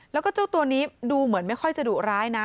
แล้วก็เจ้าตัวนี้ดูเหมือนไม่ค่อยจะดุร้ายนะ